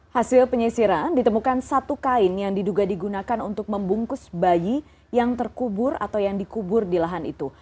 hasil penyisiran ditemukan satu kain yang diduga digunakan untuk membungkus bayi yang terkubur atau yang dikubur di lahan itu